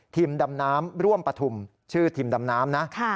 ดำน้ำร่วมปฐุมชื่อทีมดำน้ำนะ